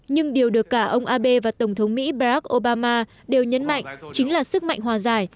nhưng điều được cả ông abe và tổng thống mỹ brack obama đều nhấn mạnh chính là sức mạnh hòa giải